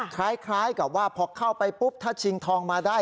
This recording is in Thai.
คล้ายกับว่าพอเข้าไปปุ๊บถ้าชิงทองมาได้